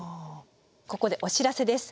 ここでお知らせです。